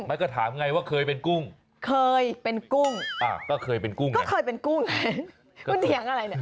ไม่ก็ถามไงว่าเคยเป็นกุ้งเคยเป็นกุ้งก็เคยเป็นกุ้งคุณเถียงอะไรเนี่ย